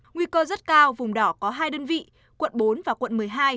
nguy cơ rất cao vùng đỏ có hai đơn vị quận bốn và quận một mươi hai